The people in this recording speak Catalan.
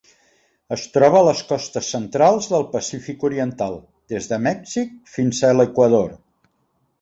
Es troba a les costes centrals del Pacífic oriental: des de Mèxic fins a l'Equador.